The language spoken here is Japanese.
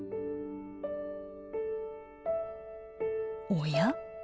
おや？